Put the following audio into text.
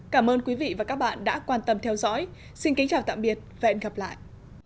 cảm ơn quý vị và các bạn đã quan tâm theo dõi xin kính chào tạm biệt và hẹn gặp lại